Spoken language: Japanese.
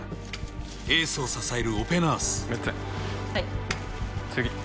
エースを支えるオペナースメッツェン